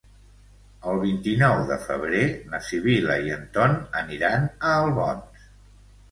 El vint-i-nou de febrer na Sibil·la i en Ton aniran a Albons.